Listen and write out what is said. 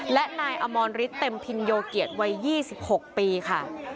และนายอมรฤทธิเต็มพินโยเกียรติวัย๒๖ปีค่ะ